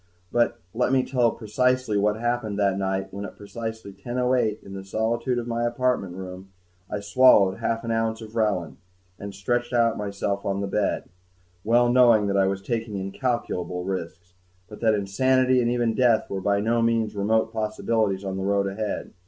But let me tell precisely what happened that night when at precisely 10:08 in the solitude of my apartment room, I swallowed half an ounce of Relin and stretched myself out on the bed, well knowing that I was taking incalculable risks, and that insanity and even death were by no means remote possibilities of the road ahead.